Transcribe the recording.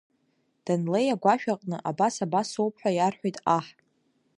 Данлеи агәашәаҟны, абас-абасоуп ҳәа иарҳәеит аҳ.